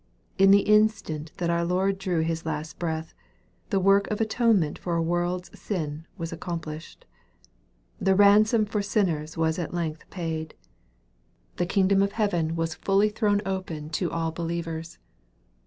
In the instant that our Lord drew His last breath, the work of atonement for a world's sin was accomplished. The ransom for sinners was at length paid. The kingdom of heaven wa thrown fully open to MARK, CHAP. XV. 345 all believers.